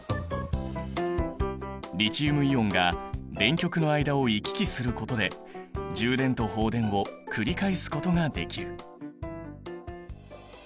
リチウムイオンが電極の間を行き来することで充電と放電を繰り返すことができる。